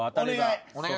お願い！